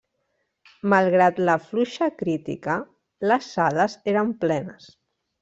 Malgrat la fluixa crítica, les sales eren plenes.